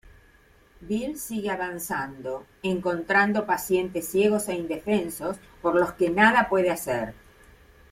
Bill sigue avanzando, encontrando pacientes ciegos e indefensos, por los que nada puede hacer.